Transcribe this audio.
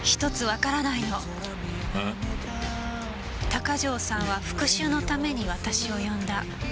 鷹城さんは復讐のために私を呼んだ。